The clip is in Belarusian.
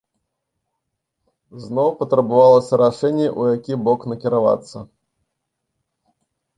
Зноў патрабавалася рашэнне, у які бок накіравацца.